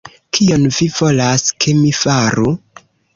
Kion vi volas, ke mi faru!